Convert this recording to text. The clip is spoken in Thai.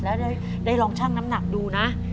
แล้วได้ลองชั่งน้ำหนักดูนะ